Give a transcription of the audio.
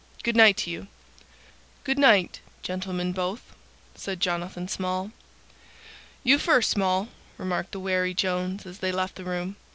Good night to you." "Good night, gentlemen both," said Jonathan Small. "You first, Small," remarked the wary Jones as they left the room.